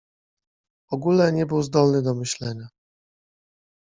ogóle nie był zdolny do myślenia.